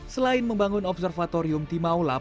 selain membangun observatorium timau delapan